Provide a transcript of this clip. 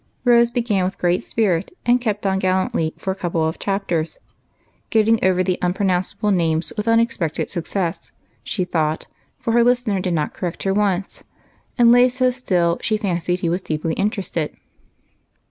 Rose began with great spirit, and kept on gallantly for a couple of chapters, getting over the unpronounce able names with unexpected success, she thought, for her listener did not correct her once, and lay so still she fancied he was deeply interested.